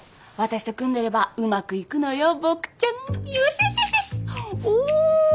私と組んでればうまくいくのよボクちゃん。